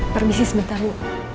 permisi sebentar bu